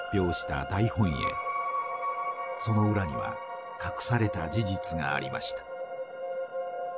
その裏には隠された事実がありました。